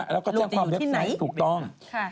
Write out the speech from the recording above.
แล้วก็แจ้งความเรียบร้อยถูกต้อง